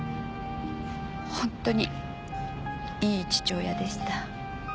本当にいい父親でした。